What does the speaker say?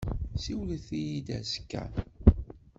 Siwlet-iyi-d azekka.